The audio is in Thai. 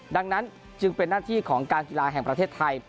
ดังนั้นจึงเป็นหน้าที่ของการกีฬาแห่งประเทศไทย